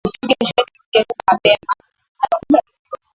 Tufike shuleni mapema kesho